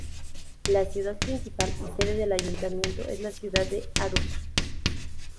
La ciudad principal y sede del ayuntamiento es la ciudad de Aarhus.